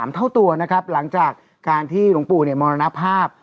เท่าตัวนะครับหลังจากการที่หลวงปู่มรณภาพ